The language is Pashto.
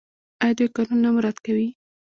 آیا دوی قانون نه مراعات کوي؟